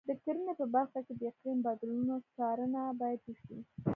د کرنې په برخه کې د اقلیم بدلونونو څارنه باید وشي.